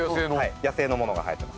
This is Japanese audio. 野生のものが生えてます。